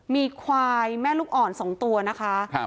มีควายแม่ลูกอ่อน๒ตัวนะคะ